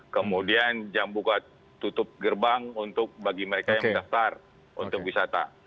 kemudian jam buka tutup gerbang untuk bagi mereka yang mendaftar untuk wisata